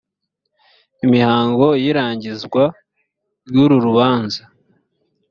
imihango y’irangizwa ry’uru rubanza